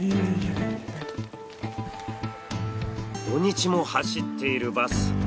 土日も走っているバス。